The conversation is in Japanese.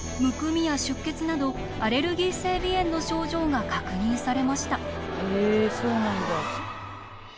むくみや出血などアレルギー性鼻炎の症状が確認されました。